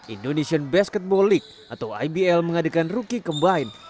indonesian basketball league atau ibl mengadakan rookie combine